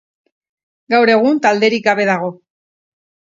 Gaur egun talderik gabe dago.